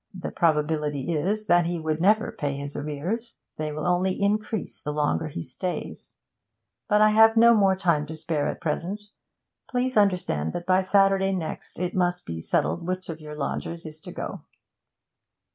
The probability is that he would never pay his arrears; they will only increase, the longer he stays. But I have no more time to spare at present. Please understand that by Saturday next it must be settled which of your lodgers is to go.'